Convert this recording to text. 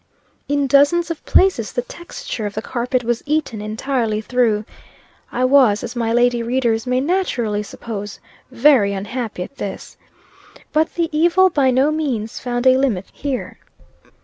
In dozens of places the texture of the carpet was eaten entirely through. I was, as my lady readers may naturally suppose, very unhappy at this. But, the evil by no means found a limit here.